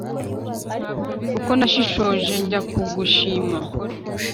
Kuko nashishoje njya kugushima